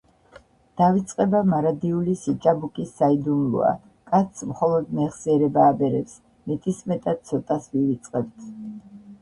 “დავიწყება მარადიული სიჭაბუკის საიდუმლოა. კაცს მხოლოდ მეხსიერება აბერებს. მეტისმეტად ცოტას ვივიწყებთ.”